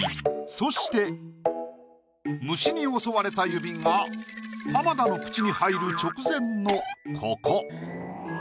そして虫に襲われた指が浜田の口に入る直前のここ。